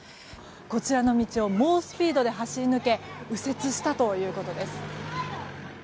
こちらの道を猛スピードで走り抜け右折したということです。